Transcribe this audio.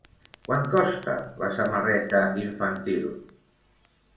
Quant costa la samarreta infantil?